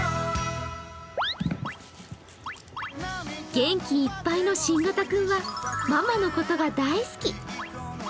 元気いっぱいの新型君はママのことが大好き。